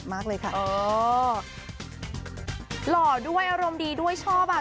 หล่อด้วยอารมณ์ดีด้วยชอบค่ะ